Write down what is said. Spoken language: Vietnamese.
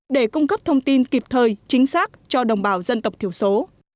để cung cấp thông tin kịp thời chính xác cho đồng bào dân tộc thiểu số